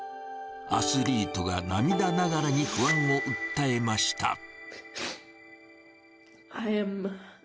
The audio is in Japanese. アスリートが涙ながらに不安を訴えました。